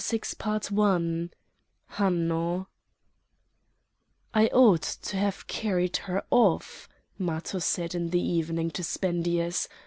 CHAPTER VI HANNO "I ought to have carried her off!" Matho said in the evening to Spendius.